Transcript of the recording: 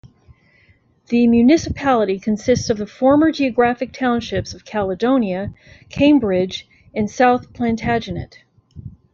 The municipality consists of the former geographic townships of Caledonia, Cambridge and South Plantagenet.